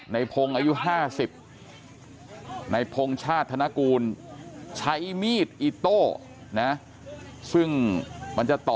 ในพงศ์อายุ๕๐ในพงชาติธนกูลใช้มีดอิโต้นะซึ่งมันจะต่อ